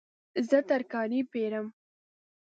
زه ترکاري پیرم